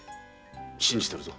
信じてるぞ。